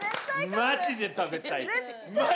まじで食べたい！